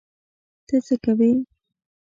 ته څه کوې؟